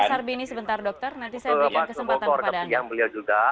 mas sarbini sebentar dokter nanti saya berikan kesempatan kepada anda juga